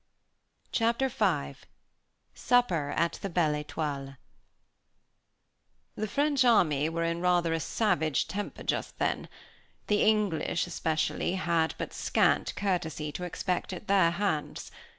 Chapter V SUPPER AT THE BELLE ÉTOILE The French army were in a rather savage temper just then. The English, especially, had but scant courtesy to expect at their hands.